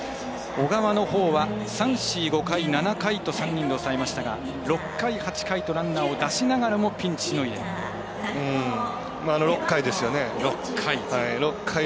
小川のほうは３、４、５回７回と３人で抑えましたが６回、８回とランナーを出しながらも６回ですよね。